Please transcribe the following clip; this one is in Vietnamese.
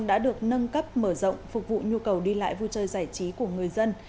đã được nâng cấp mở rộng phục vụ nhu cầu đi lại vui chơi giải trí của người dân